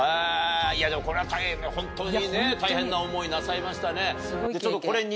いやこれは本当にね大変な思いなさいましたね。